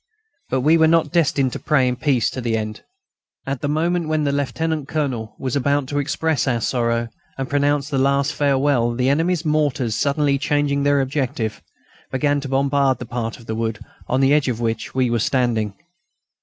But we were not destined to pray in peace to the end. At the moment when the Lieutenant Colonel was about to express our sorrow and pronounce the last farewell the enemy's mortars, suddenly changing their objective, began to bombard the part of the wood on the edge of which we were standing.